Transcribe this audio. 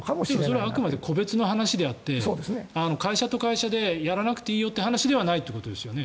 それはあくまで個別の話であって会社と会社でやらなくていいよという話ではないということですよね。